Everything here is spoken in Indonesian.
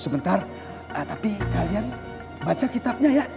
sebentar tapi kalian baca kitabnya ya